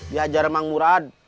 diajar emang murah